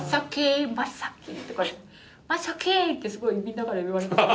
すごいみんなから言われてた。